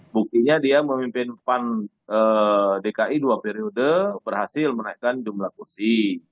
buktinya dia memimpin pan dki dua periode berhasil menaikkan jumlah kursi